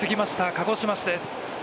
鹿児島市です。